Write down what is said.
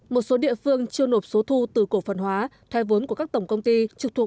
một số địa phương chưa nộp số thu từ cổ phần hóa thoái vốn của các tổng công ty trực thuộc